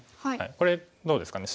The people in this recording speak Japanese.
これどうですかね。